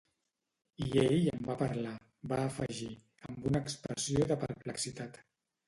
"I ell em va parlar", va afegir, amb una expressió de perplexitat.